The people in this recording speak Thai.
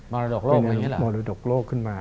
มรดกโลกขึ้นมา